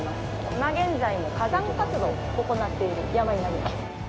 今現在も火山活動を行っている山になります。